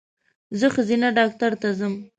زه ښځېنه ډاکټر ته ځم